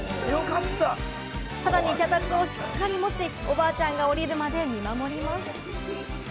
さらに脚立をしっかり持ち、おばあちゃんが下りるまで見守ります。